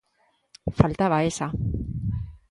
Faltaba esa.